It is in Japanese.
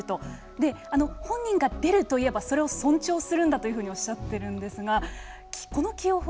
で本人が出ると言えばそれを尊重するんだというふうにおっしゃってるんですがこの起用法